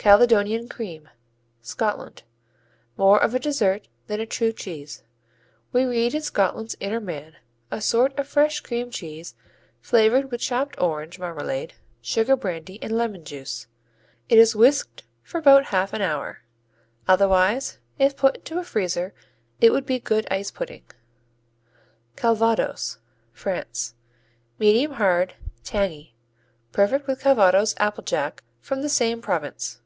Caledonian Cream Scotland More of a dessert than a true cheese. We read in Scotland's Inner Man: "A sort of fresh cream cheese, flavored with chopped orange marmalade, sugar brandy and lemon juice. It is whisked for about half an hour. Otherwise, if put into a freezer, it would be good ice pudding." Calvados France Medium hard; tangy. Perfect with Calvados applejack from the same province.